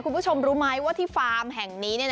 คุณผู้ชมรู้ไหมว่าที่ฟาร์มแห่งนี้